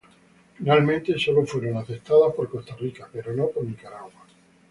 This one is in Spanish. Finalmente solo fueron aceptadas por Costa Rica, pero no por Nicaragua.